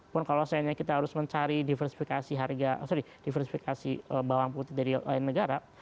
pun kalau seandainya kita harus mencari diversifikasi bawang putih dari lain negara